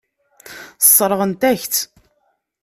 Sseṛɣent-ak-tt.